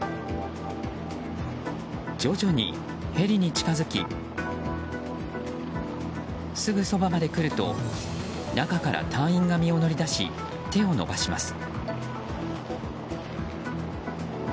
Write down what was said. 徐々にヘリに近づきすぐそばまで来ると中から隊員が身を乗り出し手を伸ばします。